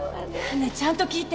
ねえちゃんと聞いて！